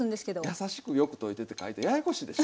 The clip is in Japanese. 「優しくよく溶いて」って書いてややこしいでしょ。